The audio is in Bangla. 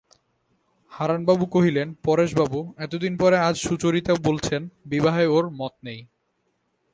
হারানবাবু কহিলেন, পরেশবাবু, এতদিন পরে আজ সুচরিতা বলছেন বিবাহে ওঁর মত নেই!